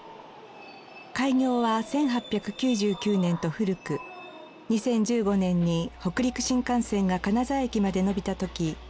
開業は１８９９年と古く２０１５年に北陸新幹線が金沢駅まで延びた時